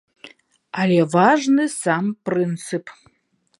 Але важны сам прынцып.